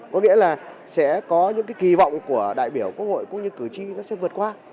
có nghĩa là sẽ có những cái kỳ vọng của đại biểu quốc hội cũng như cử tri nó sẽ vượt qua